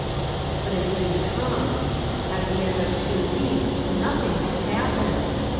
But it didn't come. At the end of two weeks nothing had happened.